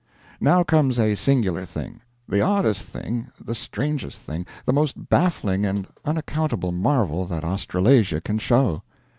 Now comes a singular thing: the oddest thing, the strangest thing, the most baffling and unaccountable marvel that Australasia can show.